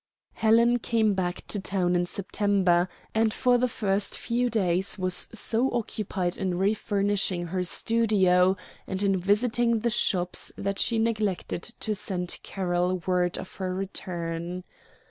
Helen came back to town in September, and for the first few days was so occupied in refurnishing her studio and in visiting the shops that she neglected to send Carroll word of her return.